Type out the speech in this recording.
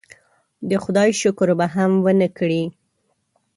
د خدای شکر به هم ونه کړي.